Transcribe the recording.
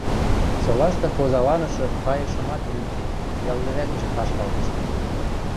Солашты хозаланышы кайышымат лӱдде ял лӹвӓкӹжӹ ташкал пиштен.